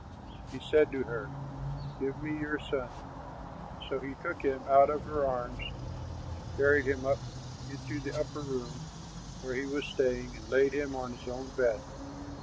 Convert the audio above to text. He said to her, "Give me your son." So he took him out of her arms and carried him up into the upper room where he was staying and laid him on his own bed.